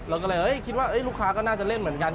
เราก็เลยคิดว่าลูกค้าก็น่าจะเล่นเหมือนกัน